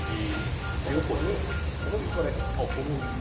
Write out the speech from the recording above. ここに小麦粉です。